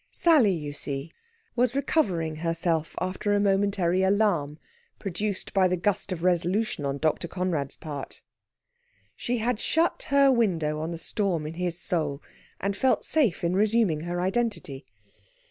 Sally, you see, was recovering herself after a momentary alarm, produced by the gust of resolution on Dr. Conrad's part. She had shut her window on the storm in his soul, and felt safe in resuming her identity.